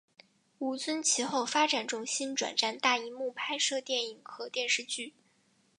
吴尊其后发展重心转战大银幕拍摄电影和电视剧。